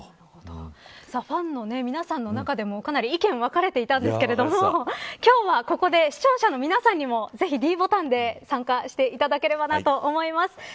ファンの皆さんの中でもかなり意見が分かれていたんですが今日はここで視聴者の皆さんにもぜひ、ｄボタンで参加していただければなと思います。